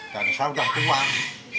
dan saya sudah buang